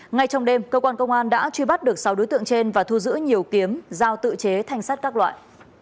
ngay trong đêm cơ quan công an đã truy bắt được sáu đối tượng trên và thu giữ nhiều kiếm giao tự chế thanh sắt các loại